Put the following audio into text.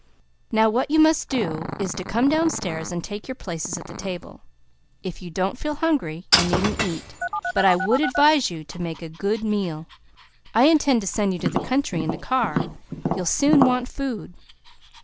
Now what you must do, is to come downstairs and take your places at the table. If you don't feel hungry, you needn't eat; but I would advise you to make a good meal. I intend to send you to the country in the car. You'll soon want food.